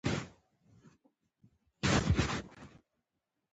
پاچا تل په چکر وځي.